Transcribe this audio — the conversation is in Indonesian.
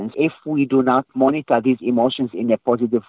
jika kita tidak memonitori emosi ini dengan cara positif